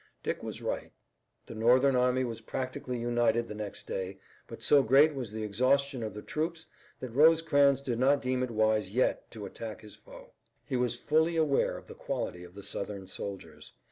Dick was right. The Northern army was practically united the next day, but so great was the exhaustion of the troops that Rosecrans did not deem it wise yet to attack his foe. He was fully aware of the quality of the Southern soldiers.